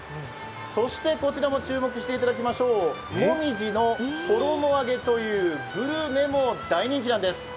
そしてこちらも注目していただきましょう、もみじの衣揚げというグルメも大人気なんです。